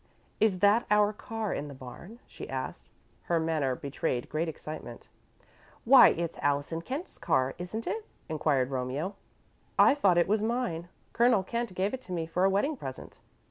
"Is that our car in the barn?" she asked. Her manner betrayed great excitement. "Why, it's Allison Kent's car, isn't it?" inquired Romeo. "I thought it was mine. Colonel Kent gave it to me for a wedding present."